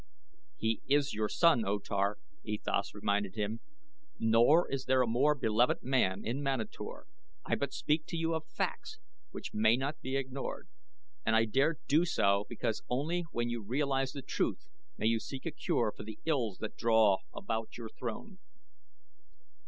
"He is your son, O Tar," E Thas reminded him, "nor is there a more beloved man in Manator I but speak to you of facts which may not be ignored, and I dare do so because only when you realize the truth may you seek a cure for the ills that draw about your throne."